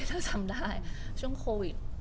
ถ้าจำได้ช่วงโควิด